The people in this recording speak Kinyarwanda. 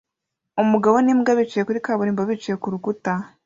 Umugabo n'imbwa bicaye kuri kaburimbo bicaye kurukuta